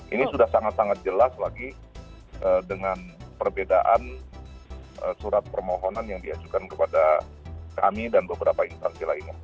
ini sudah sangat sangat jelas lagi dengan perbedaan surat permohonan yang diajukan kepada kami dan beberapa instansi lainnya